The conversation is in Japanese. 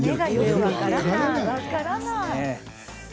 分からない。